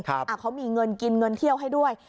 เขามีเงินกินเงินเที่ยวให้ด้วย